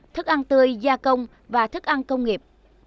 thức ăn tươi gia công và thức ăn công nghiệp